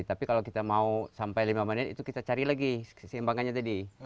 tapi kalau kita mau sampai lima menit itu kita cari lagi keseimbangannya tadi